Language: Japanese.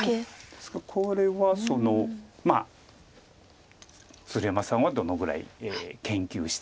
ですからこれは鶴山さんはどのぐらい研究してるか。